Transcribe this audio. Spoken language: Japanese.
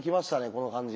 この感じ。